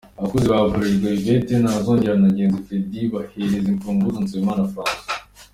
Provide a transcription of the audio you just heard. Abakozi ba Bralirwa Yvette Ntagozera na Nyangezi Fredy bahereza imfunguzo Nsabimana Francois.